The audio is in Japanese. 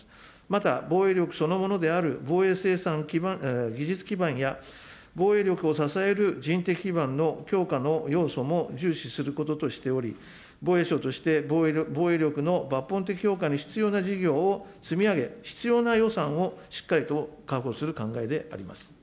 また防衛力そのものである防衛生産技術基盤や、防衛力を支える人的基盤の強化の要素も重視することとしており、防衛省として防衛力の抜本的強化に必要な事業を積み上げ、必要な予算をしっかりと確保する考えであります。